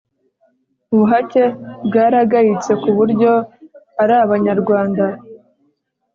ubuhake bwaragayitse ku buryo ari abanyarwanda